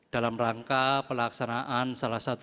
dalam rangka pelaksanaan salah satu